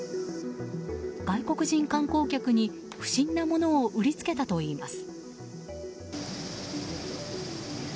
外国人観光客に、不審なものを売りつけたといいます。